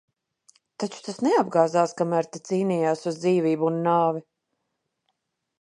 Taču tās neapgāzās, kamēr te cīnījās uz dzīvību un nāvi?